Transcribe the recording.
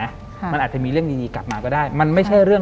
หลังจากนั้นเราไม่ได้คุยกันนะคะเดินเข้าบ้านอืม